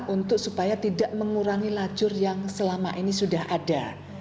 untuk supaya tidak mengurangi lajur yang selama ini sudah ada